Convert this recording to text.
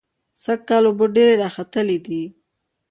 سږکال اوبه ډېرې راخلتلې دي.